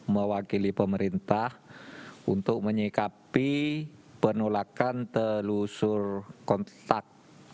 mewakili pemerintah untuk menyikapi penolakan telusur kontak